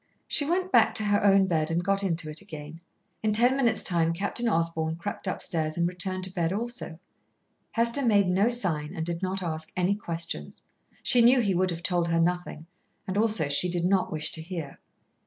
She went back to her own bed and got into it again. In ten minutes' time Captain Osborn crept upstairs and returned to bed also. Hester made no sign and did not ask any questions. She knew he would have told her nothing, and also she did not wish to hear.